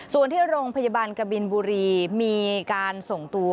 ส่วนที่โรงพยาบาลกบินบุรีมีการส่งตัว